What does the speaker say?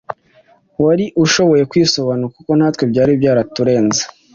wari ushoboye kwisobanura kuko natwe byari byaturenze